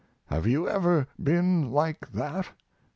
Have you ever been like that?